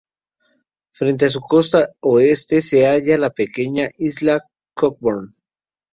Frente a su costa oeste se halla la pequeña isla Cockburn.